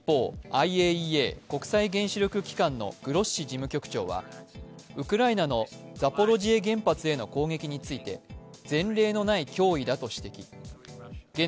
一方、ＩＡＥＡ＝国際原子力機関のグロッシ事務局長はウクライナのザポロジエ原発への攻撃について前例のない脅威だと指摘。